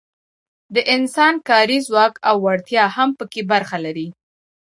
د انسان کاري ځواک او وړتیا هم پکې برخه لري.